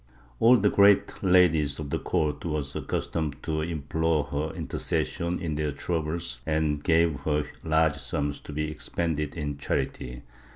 All the great ladies of the com't were accustomed to implore her intercession in their troubles and gave her large sums to be expended in charity.